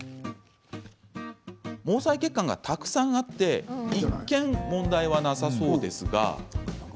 毛細血管がたくさんあって一見、問題はなさそうですが。